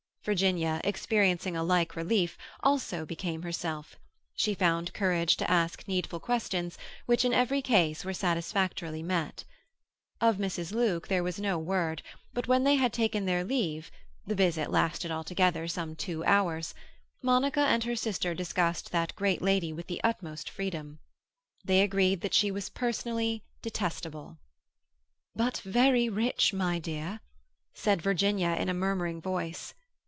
Virginia, experiencing a like relief, also became herself; she found courage to ask needful questions, which in every case were satisfactorily met. Of Mrs. Luke there was no word, but when they had taken their leave—the visit lasted altogether some two hours—Monica and her sister discussed that great lady with the utmost freedom. They agreed that she was personally detestable. "But very rich, my dear," said Virginia in a murmuring voice.